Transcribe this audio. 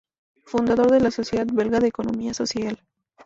Fundador de la Sociedad Belga de Economía Social.